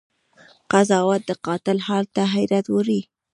قضاوت د قاتل حال ته حيرت وړی